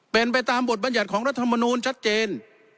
เป็นไปตามบทบรรยัติของรัฐมนูลชัดเจน